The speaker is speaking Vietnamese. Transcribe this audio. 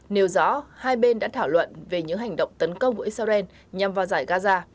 nêu rõ hai bên đã thảo luận về những hành động tấn công của israel nhằm vào giải gaza